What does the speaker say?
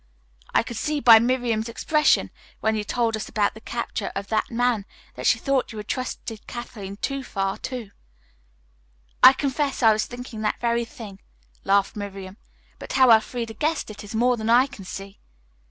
I could see by Miriam's expression when you told us about the capture of that man that she thought you had trusted Kathleen too far, too." "I confess I was thinking that very thing," laughed Miriam, "but how Elfreda guessed it is more than I can see."